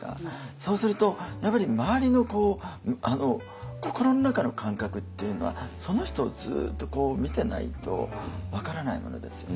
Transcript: そうするとやっぱり周りの心の中の感覚っていうのはその人をずっとこう見てないと分からないものですよね。